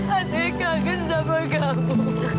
aduh kaget sama kamu